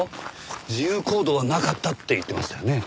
自由行動はなかったって言ってましたよね？